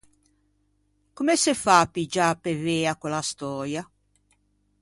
Comme se fa à piggiâ pe vea quella stöia?